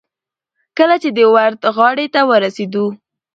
کله چې د ورد غاړې ته ورسېدو.